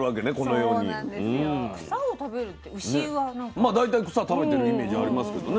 まあ大体草食べてるイメージはありますけどね。